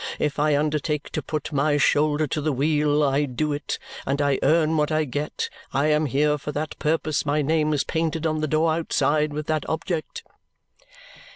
If I undertake to put my shoulder to the wheel, I do it, and I earn what I get. I am here for that purpose. My name is painted on the door outside, with that object."